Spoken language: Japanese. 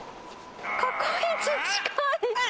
過去一近い！